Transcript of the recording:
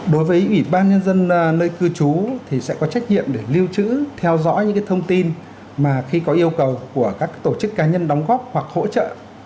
đối với ủy ban nhân dân nơi cư trú thì sẽ có trách nhiệm để lưu trữ theo dõi những thông tin mà khi có yêu cầu của các tổ chức cá nhân đóng góp hoặc hỗ trợ